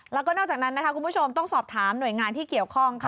แล้วก็นอกจากนั้นนะคะคุณผู้ชมต้องสอบถามหน่วยงานที่เกี่ยวข้องค่ะ